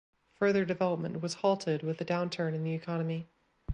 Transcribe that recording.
Further development was halted with the downturn in the economy.